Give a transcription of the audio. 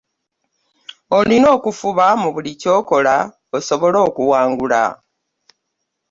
Olina okufuba mu buli kyokola osobole okuwangula.